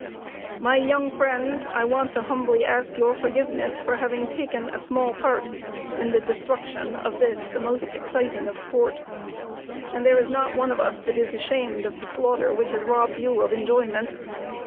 My young friends, I want to humbly ask your forgiveness for having taken a small part in the destruction of this, the most exciting of sport. And there is not one of us but is ashamed of the slaughter which has robbed you of enjoyment.